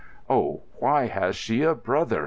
"Oh, why has she a brother!"